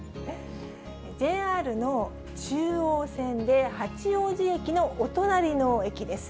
ＪＲの中央線で八王子駅のお隣の駅です。